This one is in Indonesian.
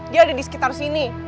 dia ada di sekitar sini